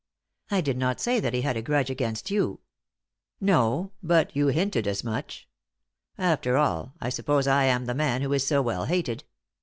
"I did not say that he had a grudge against you." "No, but you hinted as much. After all, I suppose I am the man who is so well hated.